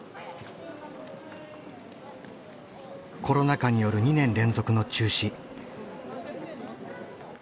コロナ禍による２年連続の中止。